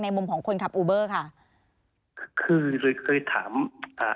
ในมุมของคนขับค่ะคือเลยเคยถามค่ะเคยถามอ่า